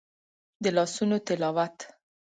د لاسونو تلاوت